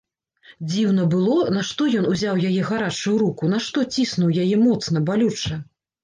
Дзіўна было, нашто ён узяў яе гарачую руку, нашто ціснуў яе моцна, балюча.